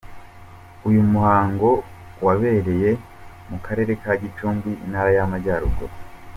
uyu muhango wabereye mu karere ka Gicumbi, Intara y'Amajyaruguru.